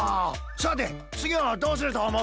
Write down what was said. さてつぎはどうするとおもう？